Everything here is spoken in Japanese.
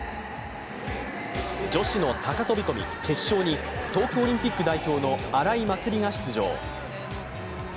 女子の高飛び込み決勝に東京オリンピック代表の荒井祭里が出場。